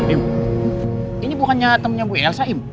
im ini bukannya temennya bu elsa im